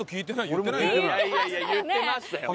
いや言ってましたよね。